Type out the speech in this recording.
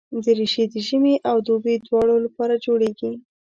دریشي د ژمي او دوبي دواړو لپاره جوړېږي.